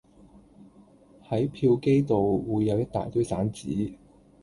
喺票機度會有一大堆散紙